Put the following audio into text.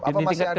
apa masih ada